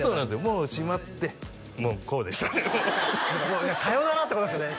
もう閉まってもうこうでした「さよなら」ってことですよね